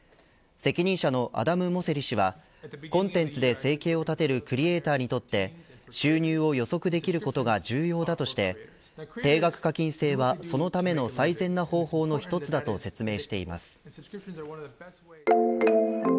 責任者のアダム・モセリ氏はコンテンツで生計を立てるクリエイターにとって収入を予測できることが重要だとして定額課金制はそのための最善の方法の一つだと説明しています。